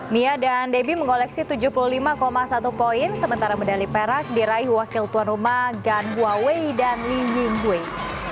mia dan debbie mengoleksi tujuh puluh lima satu poin sementara medali perak diraih wakil tuan rumah gan huawei dan li ying hui